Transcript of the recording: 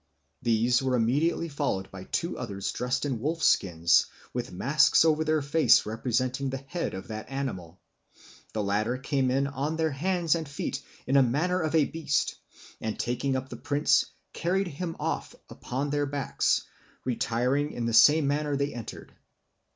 These were immediately followed by two others dressed in wolf skins, with masks over their faces representing the head of that animal. The latter came in on their hands and feet in the manner of a beast, and taking up the prince, carried him off upon their backs, retiring in the same manner they entered."